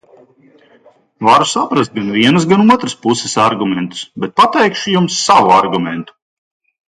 Varu saprast gan vienas, gan otras puses argumentus, bet pateikšu jums savu argumentu.